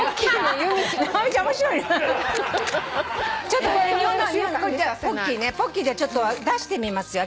ちょっと出してみますよ。